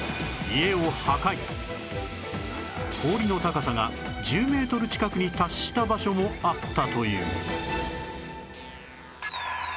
氷の高さが１０メートル近くに達した場所もあったという